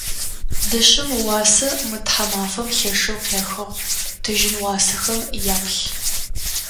Дышъэм ыуасэ мы тхьамафэм лъэшэу къехыгъ, тыжьын уасэхэм яплъ.